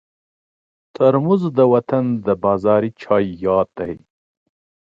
ترموز د وطن د بازاري چایو یاد دی.